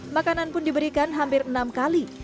makanan pun diberikan hampir enam kali